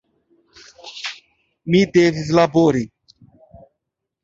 Mi devis labori.